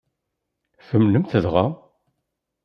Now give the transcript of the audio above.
Tumnem-t dɣa?